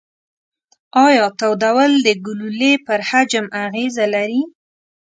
ایا تودول د ګلولې پر حجم اغیزه لري؟